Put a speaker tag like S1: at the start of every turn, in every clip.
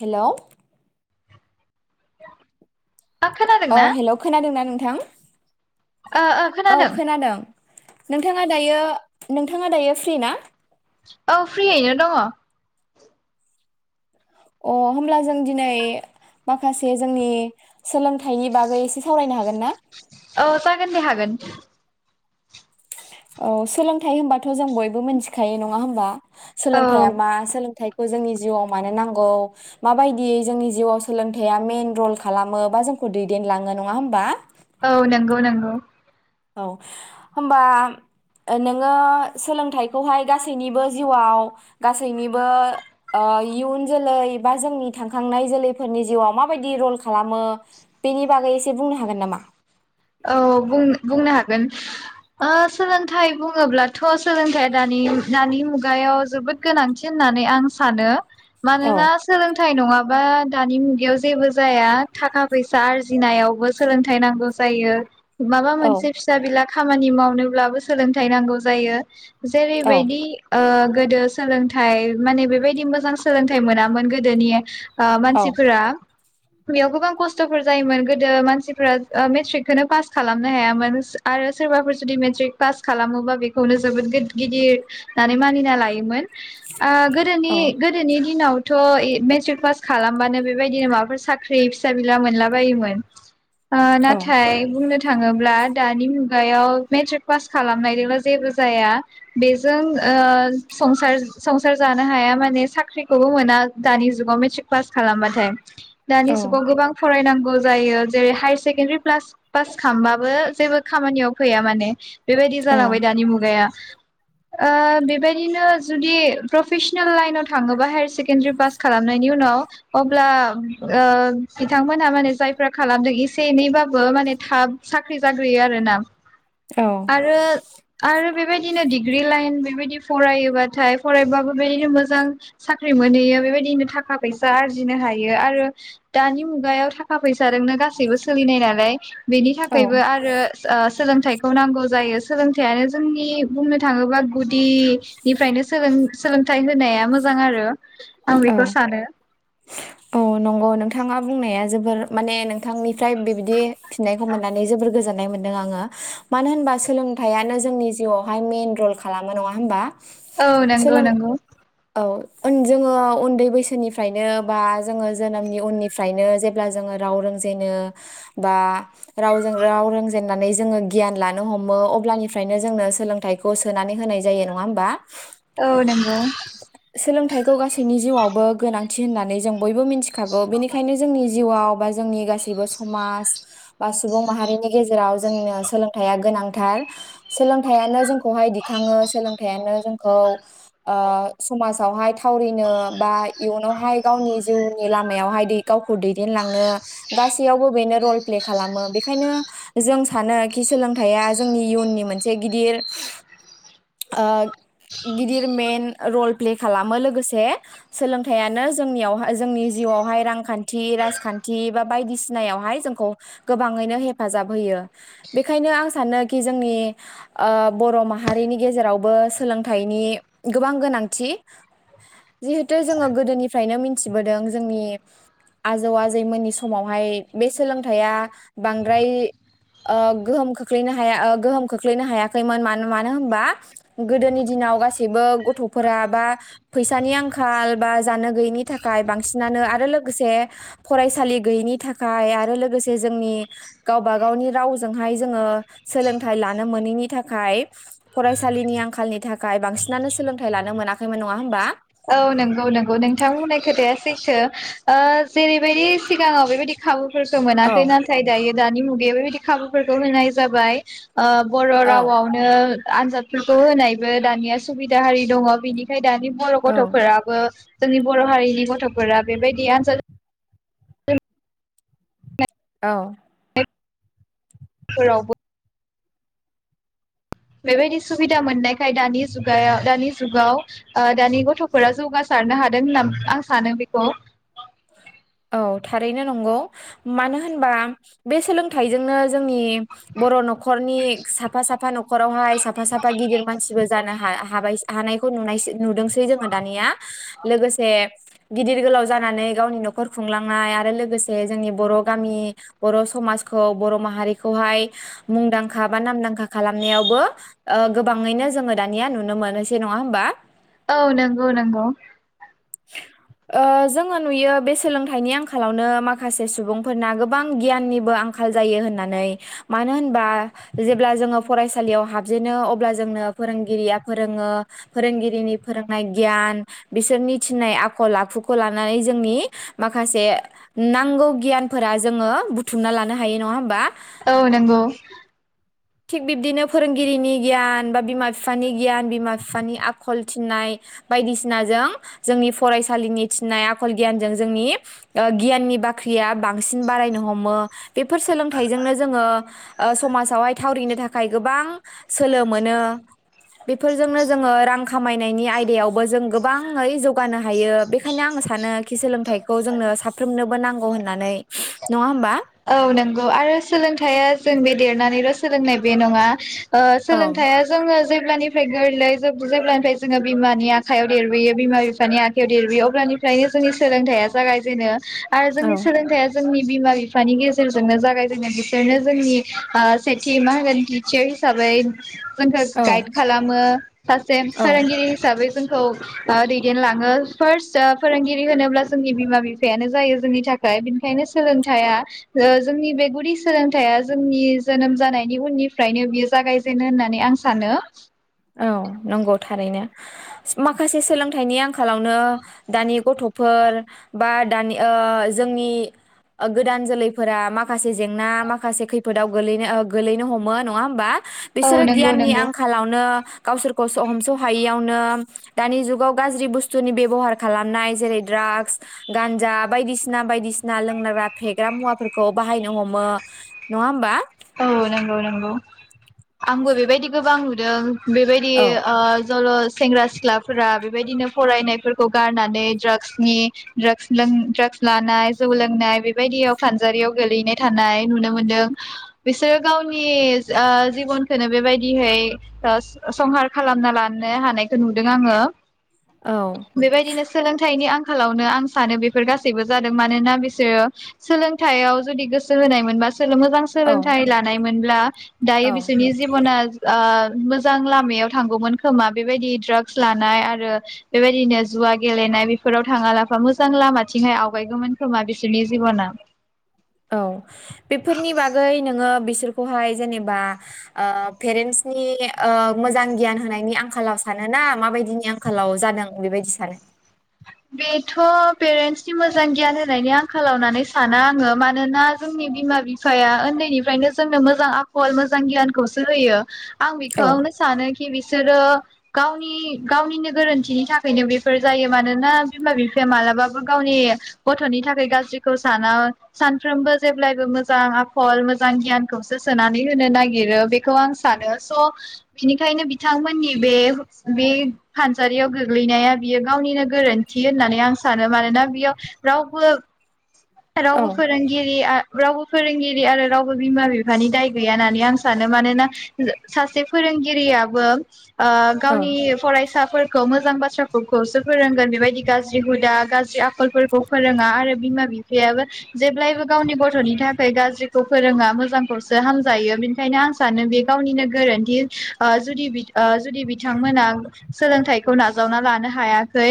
S1: हेल'
S2: आ
S1: औ
S2: खोनादोंना
S1: हेलौ खोनादोंना नोंथां।
S2: ओ ओ खोनादों।
S1: नोंथाङा दायो नोंथाङा दायो फ्रि ना?
S2: औ फ्रियैनो दङ।
S1: अ होमब्ला जों दिनै माखासे जोंनि सोलोंथाइनि बागै एसे सावरायनो हागोन ना?
S2: औ जागोन दे हागोन।
S1: औ सोलोंथाइ होनबाथ जों बयबो मिथिखायो नङा होमबा
S2: औ
S1: सोलोंथाइया मा सोलोंथाइ बो जोंनि जिउआव मानो नांगौ माबायदियै जोंनि जिउआव सोलोंथाइया मेन रल खालामो बा जोंखौ दैदेनलाङो नङा होमबा।
S2: औ नंगौ नंगौ
S1: औ होमबा नोङो सोलोंथाइखौहाय गासैनिबो जिउआव गासैनिबो ओ इयुन जोलै बा जोंनि थांखांनाय जोलैफोरनि जिउआव माबायदि रल खालामो बेनि बागै एसे बुंनो हागोन नामा।
S2: औ बुं-बुंनो हागोन सोलोंथाइ बुङोब्लाथ सोलोंथाइया दानि दानि मुगायाव जोबोद गोनांथि होननानै आं सानो।
S1: औ
S2: मानोना सोलोंथाइ नङाब बो दानि मुगायाव जेबो जाया थाखा फैसा आरजिनायावबो सोलोंथाइ नांगौ जायो। माबा
S1: औ
S2: मोनसे फिसा बिलाख खामानि मावनोब्लाबो सोलोंथायाइ नांगौ जायो।
S1: औ
S2: जेरैबायदि ओ गोदो सोलोंथाइ माने बेबायदि मोजां सोलोंथाइ मोनामोन गोदोनि आ
S1: औ
S2: मानसिफोरा बेयाव गोबां खस्थफोर जायोमोन गोदो मानसिफ्रा ओ मेट्रिकखौनो पास खालामनो हायामोन आरो सोरबाफोर जुदि मेट्रिक पास खालामोबा बेखौनो जोबोद गोद गिदिर दानि मानिना लायोमोन। आ गोदोनि
S1: औ
S2: गोदोनि दिनाव। थ यि मेट्रिक पास खालामबानो बेबायदिनो माबाफोर साख्रि फिसा बिला मोनला बायोमोन। ओ
S1: औ
S2: नाथाय बुंनो थाङोब्ला दानि मुगायाव मेट्रिक पास खालामनायजोंल जेबो जाया बेजों संसार-संसार जानो हाया माने साख्रिखौबो मोना दानि जुगाव मेट्रिक पास खालामबाथाय।
S1: औ
S2: दानि जुगाव गोबां फरायनांगौ। गौ जायो जेरै सेकेडारि पलास पास खालामबाबो जेबो खामानियाव फैया माने। बेबायदि जालांबाय दानि मुगाया। ओ बेबायदिनो जुदि प्रफेसनेल लाइनाव थाङोबा हायार एसे सेकेडारि पास खालामनायनि उनाव अब्ला ओ बिथांमोनहा माने जायफ्रा खालामदों सेनैबाबो माने थाब साख्रि जाग्रोयो आरो ना।
S1: औ
S2: आरो आरो बेबायदिनो डिग्रि लाइन बेबायदि फरायोबाथाय फरायबाबो बेबायदिनो मोजां साख्रि मोनहैयो बेबायदिनो थाखा फैसा आरजिनो हायो आरो दानि मुगायाव थाखा फैसााजोंनो गासैबो सोलिनाय नालाय बेनि थाखायबो आरो ओ सोलोंथाइखौ नांगौ जायो सोलोंथाइयानो जोंनि बुंनो थाङोब्ला गुदिनिफ्रायनो सोलोंथाइ होनाया मोजां आरो। आं बेखौ
S1: औ
S2: सानो।
S1: औ नंगौ नोंथाङा बुंनाया जोबोर माने नोंथांनिफ्राय बेबायदि फिननायखौ मोननानै जोबोर गोजोननाय मोनदों आङो मानो होनबा सोलोंथाइयानो जोंनि जिउआवहाय मेन रल खालामो नङा होमबा।
S2: औ नंगौ
S1: सोलों
S2: नंगौ।
S1: औ जोङो उन्दै बैसोनिफ्रायनो बा जोङो जोनोमनि उननिफ्रायनो जेब्ला जोङो राव रोंजेनो बा रावजों राव रोंजेननानै जोङो गियान लानो हमो अब्लानिफ्रायनो जोंनो सोलोंथाइखौ सोनानै होनाय जायो नङा होमबा।
S2: औ नंगौ।
S1: सोलोंथाइखौ गासैनि जिउआवबो गोनांथि होननानै जों बयबो मिन्थिगो खागौ बेनिखायनो जोंनि जिउआव बा जोंनि गासैबो समाज बा सुबुं माहारिनि गेजेराव जोंनो सोलोंथाइया गोनांथार सोलोंथाइयानो जोंखौहाय दिखाङो सोलोंथाइयानो जोंखौ ओ समाजावहाय थावरिनो बा इयुनावहाय गावनि जिउनि लामायावहाय दै गावखौ दैदेनलांनो गासैयावबो बेनो रल प्ले खालामो बेखायनो जों सानो खि सोलोंथाइया जोंनि इयुननि मोनसे गिदिर ओ गिदिर मेन रल प्ले खालामो लोगोसे सोलोंथाइयानो जोंनियावहाय जोंनि जिउआवहाय रांखान्थि राजखान्थि बा बायदिसिनायावहाय जोंखौ गोबाङैनो हेफाजाब होयो बेखायनो आं सानोखि जोंनि ओ बर' माहारिनि गेजेरावबो सोलोंथाइनि गोबां गोनांथि जिहेथु जोङो गोदोनिफ्रायनो मिथिबोदों जोंनि आजौ आजैमोननि समावहाय बे सोलोंथाइया बांद्राय‌ ओ गोहोम खोख्लैनो हाया ओ गोहोम खोख्लैनो हायाखैमोन मानो होनबा गोदोनि दिनाव गासैबो गथ'फोरा बा फैसानि आंखाल बा जानो गैयैनि थाखाय बांसिनानो आरो लोगोसे फरायसालि गैयैनि थाखाय आरो लोगोसे जोंनि गावबा गावनि रावजोंहाय जोङो सोलोंथाइ लानो मोनैनि थाखाय फरायसालिनि आंखालनि थाखाय बांसिनानो सोलों थाय लानो मोनाखैमोन नङा होनबा।
S2: औ नंगौ नंगौ नोंथां बुंनाय खोथाया सैथो ओ जेरैबायदि सिगाङाव बेबायदि खाबु फोरखौ
S1: औ
S2: मोनाखै नाथाय दायो दानि मुगायाव बेबायदि खाबुफोरखौ होनाय जाबाय। ओ बर' रावआवनो आनजादफोरखौ होनायबो दानिया सुबिदा हारि दङ बेनिखाय दानि
S1: औ
S2: गथफोराबो जोंनि बर'हारिनि गथफोरा बेबायदि आन्जाद
S1: औ।
S2: फोरावबो बेबायदि सुबिदा मोननायखाय दानि जुगायाव दानि जुगाव ओ दानि गथफोरा जौगासारनो हादों होनना आं सानो बेखौ।
S1: औ थारैनो नंगौ। मानो होनबा बे सोलोंथाइजोंनो जोंनि बर' न खरनि साफा साफा न खरावहाय साफा साफा गिदिर मानसिबो जानो हा-हाबाय हानायखौ नुनायसै नुदोंसै जोङो दानिया लोगोसे गिदिर गोलाव जानानै गावनि न खर खुंलांनाय आरो लोगोसे जोंनि बर गामि, बर समाजखौ, बर माहारिखौहाय मुंदांखा बा नामदांखा खालामनायावबो ओ गोबाङैनो जोङो दानिया नुनो मोनोसै नङा होमबा।
S2: औ नोंगौ नोंगौ।
S1: ओ जोङो नुयो बे सोलोंथाइनि आंखालावनो माखासे सुबुंफोरना गोबां गियाननिबो आंखाल जायो होननानै मानो होनबा जेब्ला जोङो फरायसालियाव हाबजेनो अब्ला जोंनो फोरोंगिरिया फोरोङो फोरोंगिरिनि फोरोंनाय गियान बिसोरनि थिननाय आखल आखुखौ लानानै जोंनि माखासे नांगौ गियानफोरा जोङो बुथुमना लानो हायो नङा होमबा?
S2: औ नोंगौ।
S1: थिग बिब्दिनो फोरोंगिरिनि गियान बा बिमा फानि गियान बिमा फानि आखल थिन्नाय बायदिसिनाजों जोंनि फरायसालिनि थिननाय आखल गियानजों जोंनि ओ गियाननि बाख्रिया बांसिन बारायनो हमो। बेफोर सोलोंथाइजोंनो जोङो ओ समाजावहाय थावरिनो थाखाय गोबां सोलो मोनो। बेफोरजोंनो जोङो रां खामायनायनि आयदायावबो जों गोबाङै जौगानो हायो बेखायनो आङो सानोखि सोलोंथाइखौ जोंनो साफ्रोमनोबो नांगौ होननानै नङा होमबा?
S2: औ नंगौ आरो सोलोंथाइया जों बे देरनानैल सोलोंनाय बे नङा। ओ
S1: औ
S2: सोलोंथया जोंङो जे ब्लानिफ्राय गोरलै, जोब जेब्लानिफ्राय जोङो बिमानि आखायाव देरबोयो, बिमा बिफानि आखाइायाव देरबोयो अब्लानिफ्रायनो जोंनि सोलोंथाइया जागायजेनो। आरो
S1: औ
S2: जोंनि सोलोंथाइया जोंनि बिमा बि फानि गेजेरजोंनो जागायजेननो बिसोरनो जोंनि ओ सेथि मा होनगोन टिचार हिसाबै जोंखो
S1: औ
S2: गाइद खालामो सासे
S1: औ
S2: फोरोंगिरि हिसाबै जोंखौ ओ दैदेनलाङो। फार्स्ट ओ फोरोंगिरि होनोब्ला जोंनि बिमा बिफायानो जायो जोंनि थाखाय। बेनिखायनो सोलोंथाइआ ओ जोंनि बे गुदि सोलोंथाइया जोंनि जोनोम जानायनि उननिफ्रायनो बियो जागायजेनो होननानै आं सानो।
S1: औ नंगौ थारैनो, माखासे सोलोंथनि आंखा लावनो दानि गथ फोर बा दानि ओ जोंनि ओ गोदान जोलैफोरा माखासे जेंना, माखासे खैफोदाव गोलैनो ओ गोलैनो हमो नङा होमबा?
S2: औ
S1: बिसोरो
S2: नंगौ
S1: गियाननि
S2: नंगौ
S1: आंखालावनो गावसोरखौ स हमस हायैयावनो दानि जुगाव गाज्रि बुस्थुनि बेबहार खालामनाय जेरै ड्रागस, गान्जा बायदिसिना बायदिसिना लोंनग्रा फेग्रा मुवाफोरखौ बाहायनो हमो। नङा होमबा?
S2: औ नोंगौ नोंगौ आंबो बेबायदि गोबां नु दों। बेबायदि
S1: औ
S2: ओ जल सेंग्रा सिख्लाफोरा बेबायदिनो फरायनायफोरखौ गारनानै ड्राग्सनि ड्रागस लों ड्रागस लानाय जौ लोंनाय बेबायदियाव फानजारियाव गोलैनाय थानाय नुनो मोनदों। बिसोरो गावनि ओ जिबनखौनो बेबायदिहै ओ संहार खालामना लानो हानायखौ नुदों आङो।
S1: औ
S2: बेबायदिनो सोलोंथाइनि आं खालावनो आं सानो बेफोर गासैबो जादों मानोना बिसोरो सोलोंथाइयाव जुदि गोसो होनाय मोनबा बिसोरो मोजां
S1: औ
S2: सोंलों थानाय मोनब्ला दायो
S1: औ
S2: बिसोरनि जिबना ओ मोजां लामायाव थांगौमोन खोमा बेबायदि ड्राग्स लानाय आरो बेबायदिनो जुवा गेलेनाय बेफोराव थाङा लाफा मोजां लामाथिंहाय आवगायगौमोन खोमा बिसोरनि जिबना।
S1: औ बेफोरनि बागै नोङो बिसोरखौहाय जेनेबा ओ पेरेन्टसनि ओ मोजां गियान होनायनि आंखालाव सानो ना माबायदिनि आंखालाव जादों बेबायदि सानो?
S2: बेथ' पेरेन्टसनि मोजां गियान होनायनि आंखालाव होननानै साना आङो मानोना जोंनि बिमा बिफाया उन्दैनिफ्रायनो जोंनो मोजां आखल मोजां गियानखौसो होयो। आं
S1: औ
S2: बेखौनो सानो कि बि सोरो गावनि गावनिनो गोरोन्थिनि थाखायनो बेफोर जायो मानो ना बिमा बिफाया मालाबाबो गावनि गथनि थाखाय गाज्रिखौ साना सानफ्रोमबो जेब्लायबो मोजां आखल मोजां गियानखौसो सोनानै होनो नागिरो बेखौ आं सानो स' बिनिखायनो बिथांमोननि बे बे फानजारियाव गोग्लैनाया बियो गावनिनो गोरोन्थि होननानै आं सानो। मानोना बेयाव रावबो
S1: औ
S2: रावबो फोरोंगिरिआ रावबो फोरोंगिरि आरो रावबो बिमा बिफानि दाय गैया होननानै आं सानो। मानोना सासे फोरोंगिरियाबो ओ गावनि
S1: औ
S2: फरायसा फोरखौ मोजां बाथ्राफोरखौसो फोरोंगोन बेबायदि गाज्रि हुदा गाज्रि आख खलफोरखौ फोरोङा आरो। बिमा बिफायाबो जेब्लायबो गावनि गथनि थाखाय गाज्रिखौ फोरोङा मोजांखौसो हामजायो बेनिखायनो आं सानो बे गावनिनो गोरोन्थि आ जुदि बि आ जुदि बिथांमोना सोलोंथाइखौ नाजावना लानो हाया। सै।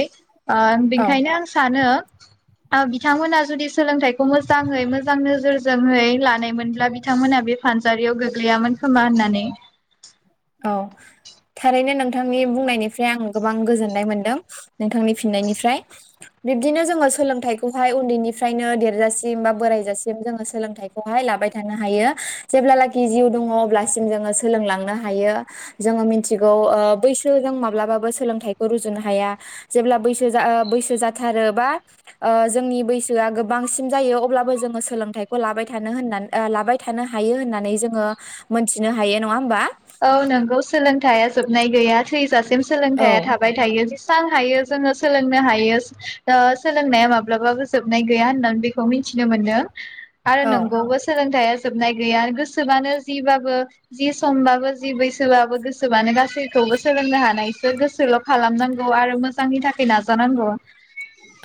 S2: आ
S1: औ
S2: बेखायनो आं सानो। आ बिथांमोना जुदि सोलोंथाइखौ मोजाङै मोजां नोजोरजोंहै लानायमोनब्ला बिथांमोना बे फानजारियाव गोग्लैयामोन खोमा होननानै।
S1: औ थारैनो नोंथांनि बुंनायनिफ्राय आं गोबां गोजोननाय मोनदों नोंथांनि फिननायनिफ्राय बिब्दिनो जोङो सोलोंथाइखौहाय उन्दैनिफ्रायनो देरजासिम बा बोरायजासिम जोङो सोलोंथाइखौहाय लाबाय थानो हायो जेब्लालाखि जिउ दङ अब्लासिम जोङो सोलोंलांनो हायो जोङो मिथिगौ ओ बैसो जों माब्लाबाबो सोलोंथाइखौ रुजुनो हाया जेब्ला बैसो आ बैसो जाथारोबा जोंनि बैसोआ गोबांसिम जायो अब्लाबो जोङो सोलोंथाइखौ लाबाय थानो होननानै आ लाबाय थानो हायो होननानै जोङो मोनथिनो हायो नङा होमबा?
S2: औ नोंगौ सोलोंथाया जोबनाय गैया थै जासिम
S1: औ
S2: सोलोंथाया थाबाय थायो। जेसां हायो जोङो सोलोंनो हायो ओ सोलोंनाया माब्लाबाबो जोबनाय गैया होननानै बेखौ मिथिनो मोनो। आरो
S1: औ
S2: नंगौबो सोलोंथाया जोबनाय गैया गोसोबानो जिबाबो जि समबाबो जि बैसोबाबो गोसोबानो गासैखौबो सोलोंनो हानायसो गोसोल' खालामनांगौ आरो मोजांनि थाखाय नाजानांगौ।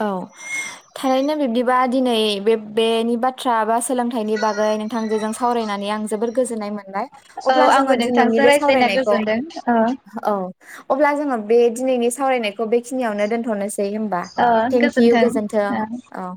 S1: औ थारैनो बिब्दिबा दिनै बे बेनि बाथ्रा बा सोलोंथाइनि बागै नोंथांजोजों सावरायनानै आं जोबोर गोजोननाय मोन बाय
S2: औ
S1: अब्ला जोङो
S2: आंबो
S1: दिनैनि
S2: नोंथांजों
S1: बे
S2: रायज्लायना
S1: सावरायनायखौ
S2: गोजोनदों ओ
S1: औ अब्ला जोङो बे दिनैनि सावरायनायखौ बेखिनियावनो दोनथनोसै। बै होमबा। थेंकिउ गोजोन्थों
S2: ओ
S1: औ।